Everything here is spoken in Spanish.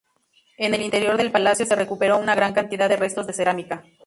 En el interior del palacio se recuperó una gran cantidad de restos de cerámica.